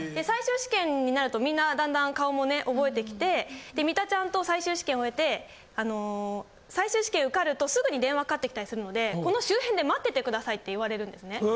最終試験になるとみんなだんだん顔も覚えてきて三田ちゃんと最終試験終えて最終試験受かるとすぐに電話かかってきたりするのでこの周辺で待っててくださいって言われるんですね。